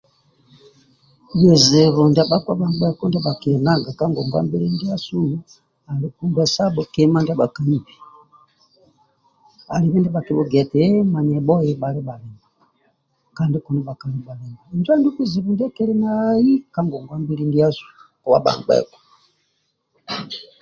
Bizibu ndia bhakpa bagheku bhakiana kagogwabili kubhe sabho kima ndi bhakaibi adulu nibha kibhugieti manya ebho bhandi bhaliba ndibhakali bhaliba njo adulu kizibu ndikili nai kagogwabili ndiasu kawa bagheku